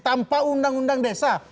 tanpa undang undang desa